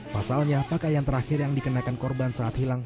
pasalnya pakaian terakhir yang dikenakan korban saat hilang